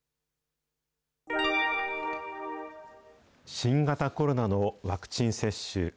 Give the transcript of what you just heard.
新型コロナのワクチン接種。